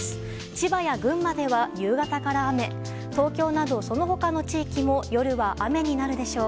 千葉や群馬では夕方から雨東京など、その他の地域も夜は雨になるでしょう。